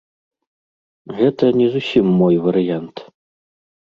Гэта не зусім мой варыянт.